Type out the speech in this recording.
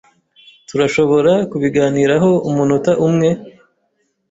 Turashobora kubiganiraho umunota umwe?